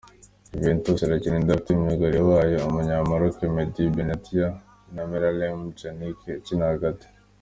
Juventus irakina idafte myugariro wayo, umunya Maroke Medhi Benatia na Miralem Pjanic ukina hagati.